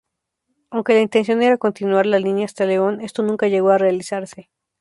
Aunque la intención era continuar la línea hasta León, esto nunca llegó a realizarse.